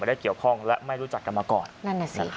ได้เกี่ยวข้องและไม่รู้จักกันมาก่อนนั่นน่ะสิค่ะ